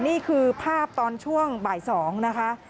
นี่คือภาพตอนช่วงบ่าย๒นะคะ